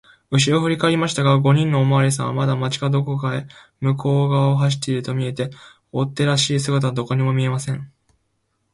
うしろをふりかえりましたが、五人のおまわりさんはまだ町かどの向こうがわを走っているとみえて、追っ手らしい姿はどこにも見えません。